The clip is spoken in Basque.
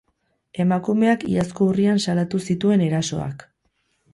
Emakumeak iazko urrian salatu zituen erasoak.